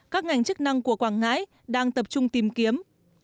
các ngành chức năng của quảng ngãi đang tập trung tìm kiếm